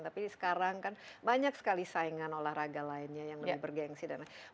tapi sekarang kan banyak sekali saingan olahraga lainnya yang lebih bergengsi dan lain sebagainya